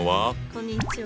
こんにちは。